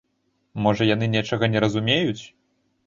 Можа, яны нечага не разумеюць.